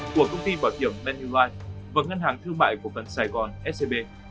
của công ty bảo hiểm benwif và ngân hàng thương mại cổ phần sài gòn scb